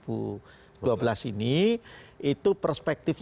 itu perspektifnya tidak satu perspektif